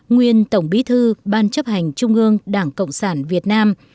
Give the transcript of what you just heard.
nguyên tổng bí thư ban chấp hành trung ương đảng cộng sản việt nam